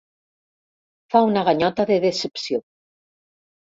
Fa una ganyota de decepció.